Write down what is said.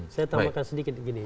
saya tambahkan sedikit gini